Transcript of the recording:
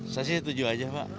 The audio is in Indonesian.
saya sih setuju aja pak